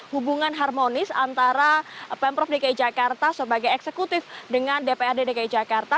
hubungan harga harga yang diperlukan oleh dpr dki jakarta